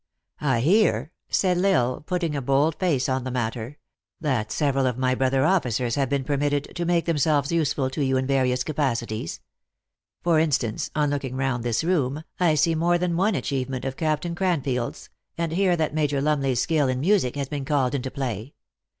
I hear," said L Isle, putting a bold face on the matter, " that several of my bro ther officers have been permitted to make themselves useful to you in various capacities. For instance, on looking round this room, I see more than one achieve ment of Captain Craniield s, and hear that Major Lurnley s skill in music has been called into play.